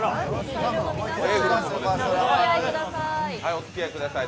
おつき合いください。